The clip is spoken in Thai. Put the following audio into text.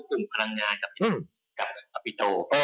กลุ่มพลังงานกับกับกับกับปิโตร์